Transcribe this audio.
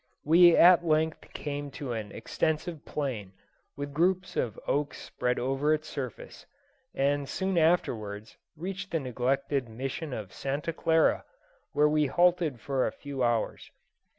We at length came to an extensive plain, with groups of oaks spread over its surface, and soon afterwards reached the neglected Mission of Santa Clara, where we halted for a few hours.